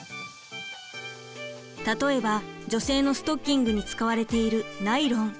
例えば女性のストッキングに使われているナイロン。